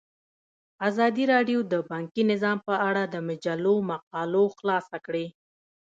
ازادي راډیو د بانکي نظام په اړه د مجلو مقالو خلاصه کړې.